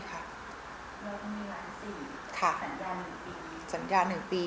แล้วเขามีล้านสี่สัญญาณหนึ่งปี